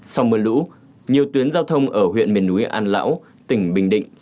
sau mưa lũ nhiều tuyến giao thông ở huyện miền núi an lão tỉnh bình định